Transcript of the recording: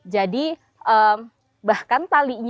jadi bahkan talinya